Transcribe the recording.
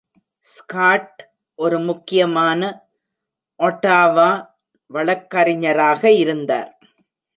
Scott ஒரு முக்கியமான Ottawa வழக்கறிஞராக இருந்தார்.